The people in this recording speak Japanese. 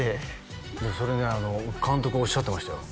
それで監督もおっしゃってましたよ